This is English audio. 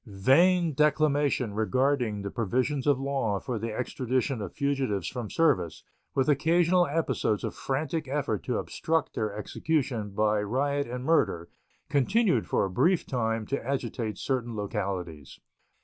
Vain declamation regarding the provisions of law for the extradition of fugitives from service, with occasional episodes of frantic effort to obstruct their execution by riot and murder, continued for a brief time to agitate certain localities.